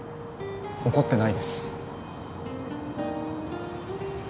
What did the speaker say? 怒ってないです